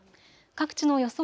各地の予想